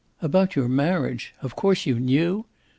"About your marriage of course you knew?